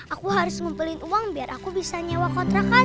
aku harus ngumpulin uang biar aku bisa nyewa kontrakan